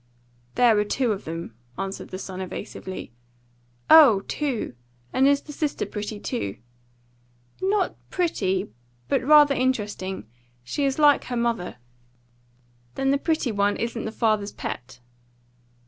"There were two of them," answered the son evasively. "Oh, two! And is the sister pretty too?" "Not pretty, but rather interesting. She is like her mother." "Then the pretty one isn't the father's pet?"